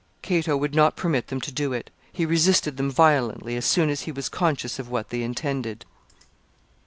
Cato would not permit them to do it. He resisted them violently as soon as he was conscious of what they intended.